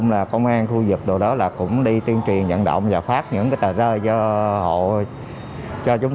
là công an khu vực đồ đó là cũng đi tuyên truyền dẫn động và phát những cái tờ rơi do hộ cho chúng